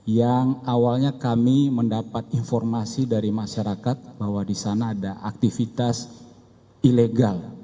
yang awalnya kami mendapat informasi dari masyarakat bahwa di sana ada aktivitas ilegal